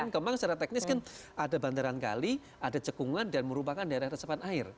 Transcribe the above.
kembang secara teknis kan ada bantaran kali ada cekungan dan merupakan daerah resepan air